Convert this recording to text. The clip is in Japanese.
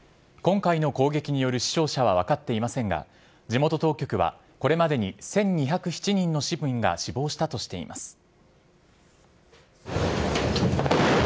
今回の攻撃による死傷者は分かっていませんが地元当局はこれまでに１２０７人の市民が死亡したとしています。